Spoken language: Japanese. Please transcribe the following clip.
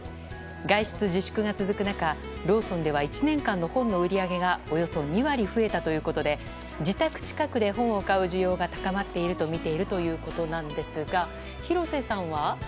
外出自粛が続く中、ローソンでは１年間の本の売り上げがおよそ２割増えたということで自宅近くで本を買う需要が高まっているとみているということなんですが廣瀬さんは？